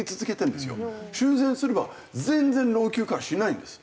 修繕すれば全然老朽化しないんです。